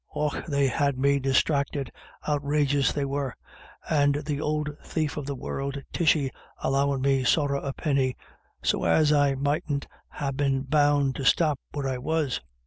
Och, they had me disthracted ; outrageous they were ; and that ould thief of the world Tishy allowin' me sorra a penny, so as I mightn't ha' been bound to stop where I was.